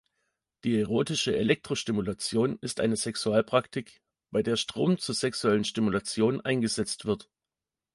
Die erotische Elektrostimulation ist eine Sexualpraktik, bei der Strom zur sexuellen Stimulation eingesetzt wird.